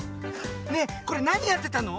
ねえこれなにやってたの？